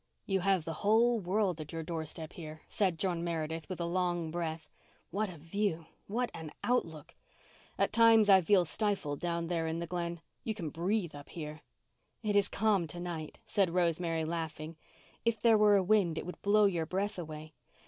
"You have the whole world at your doorstep here," said John Meredith, with a long breath. "What a view—what an outlook! At times I feel stifled down there in the Glen. You can breathe up here." "It is calm to night," said Rosemary laughing. "If there were a wind it would blow your breath away.